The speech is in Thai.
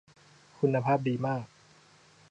คุณภาพดีมาก